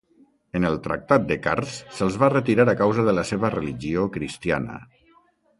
En el tractat de Kars se'ls va retirar a causa de la seva religió cristiana.